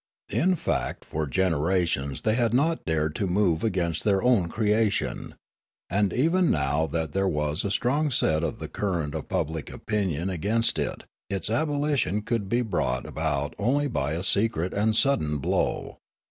In fact for generations they had not dared to move against their own creation. And even now that there was a strong set of the current of public opinion against it, its abolition could be brought about only by a secret and sudden blow.